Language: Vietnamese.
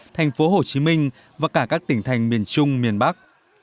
thành phố hồ chí minh và cả các tỉnh thành miền trung miền bắc